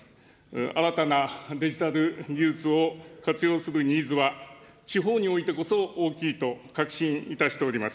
新たなデジタル技術を活用するニーズは、地方においてこそ大きいと確信いたしております。